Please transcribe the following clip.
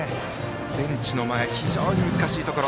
ベンチの前非常に難しいところ。